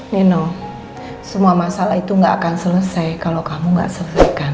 nino semua masalah itu nggak akan selesai kalau kamu gak selesaikan